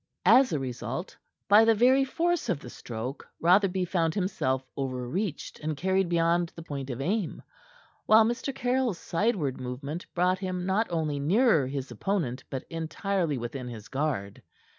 As a result, by the very force of the stroke, Rotherby found himself over reached and carried beyond his point of aim; while Mr. Caryll's sideward movement brought him not only nearer his opponent, but entirely within his guard.